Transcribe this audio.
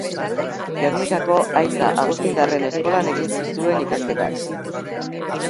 Gernikako Aita Agustindarren eskolan egin zituen ikasketak.